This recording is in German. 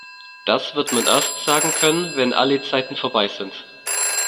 Das wird man erst sagen können, wenn alle Zeiten vorbei sind.